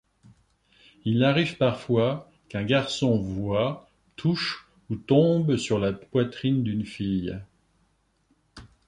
Il arrive parfois qu’un garçon voit, touche, ou tombe sur la poitrine d’une fille.